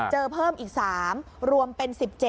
เพิ่มอีก๓รวมเป็น๑๗